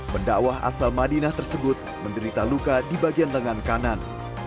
pendakwah asal madinah tersebut menderita luka di bagian lengan kanan